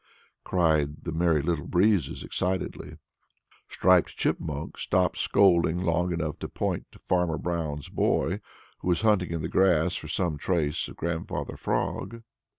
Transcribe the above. cried the Merry Little Breezes excitedly. Striped Chipmunk stopped scolding long enough to point to Farmer Brown's boy, who was hunting in the grass for some trace of Grandfather Frog.